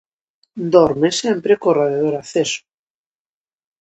Dorme sempre co radiador aceso.